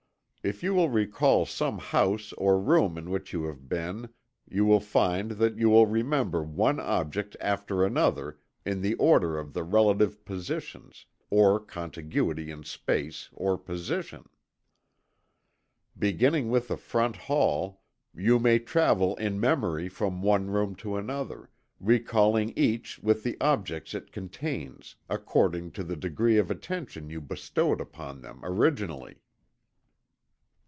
If you will recall some house or room in which you have been, you will find that you will remember one object after another, in the order of the relative positions, or contiguity in space, or position. Beginning with the front hall, you may travel in memory from one room to another, recalling each with the objects it contains, according to the degree of attention you bestowed upon them originally.